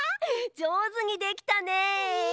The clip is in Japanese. じょうずにできたね！